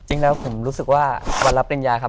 จริงแล้วผมรู้สึกว่าวันรับปริญญาครับ